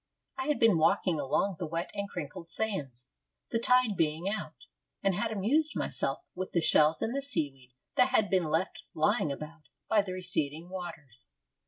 I had been walking along the wet and crinkled sands, the tide being out, and had amused myself with the shells and the seaweed that had been left lying about by the receding waters.